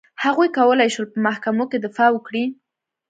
هغوی کولای شول په محکمو کې دفاع وکړي.